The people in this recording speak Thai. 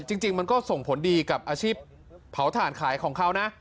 จริงมันก็ส่งผลดีกับอาชีพเผาถ่านขายของเขานะ